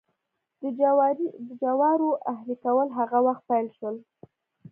د جوارو اهلي کول هغه وخت پیل شول.